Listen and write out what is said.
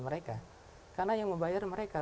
mereka karena yang membayar mereka